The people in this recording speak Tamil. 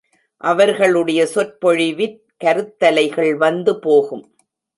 அவர்களுடைய சொற்பொழிவிற் கருத்தலைகள் வந்து போகும்.